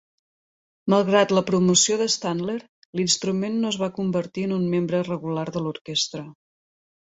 Malgrat la promoció d'Stadler, l'instrument no es va convertir en un membre regular de l'orquestra.